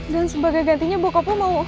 dan sebagai gantinya bokap lo mau